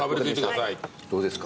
どうですか？